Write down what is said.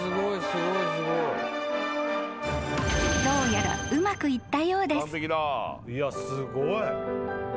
［どうやらうまくいったようです］